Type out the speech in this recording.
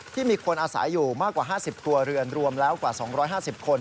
ที่มีคนอาศัยอยู่มากกว่า๕๐ครัวเรือนรวมแล้วกว่า๒๕๐คน